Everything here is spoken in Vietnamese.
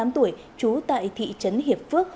bốn mươi tám tuổi chú tại thị trấn hiệp phước